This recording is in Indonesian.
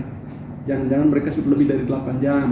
jangan jangan mereka sebut lebih dari delapan jam